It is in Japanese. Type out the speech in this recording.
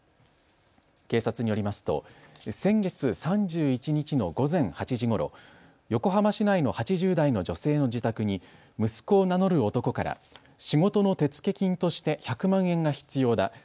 警察によりますと先月３１日の午前８時ごろ横浜市内の８０代の女性の自宅に息子を名乗る男から仕事の手付金として１００万円が必要だ。